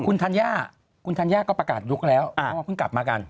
คุณธัญญาก็ประกาศยุคแล้วเพิ่งกลับมากัน